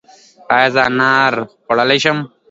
ایا زه انار خوړلی شم؟